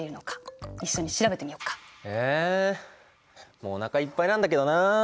もうおなかいっぱいなんだけどな。